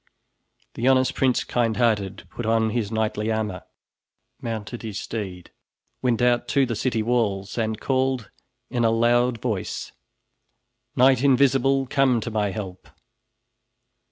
The honest Prince Kindhearted put on his knightly armor, mounted his steed, went out to the city walls and called in a loud voice: "Knight Invisible! Come to my help!"